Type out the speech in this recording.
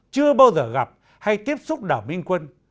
chưa bao giờ gặp hay tiếp xúc đảo minh quân